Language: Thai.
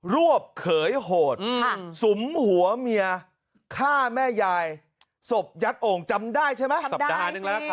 รวบเขยโหดสุมหัวเมียฆ่าแม่ยายศพยัดโอ่งจำได้ใช่ไหมสัปดาห์หนึ่งแล้วนะคะ